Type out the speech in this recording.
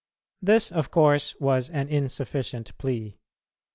This, of course, was an insufficient plea.